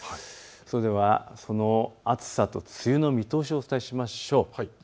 それではその暑さと梅雨の見通しをお伝えしましょう。